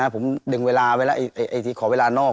ผมดึงเวลาไว้แล้วที่ขอเวลานอก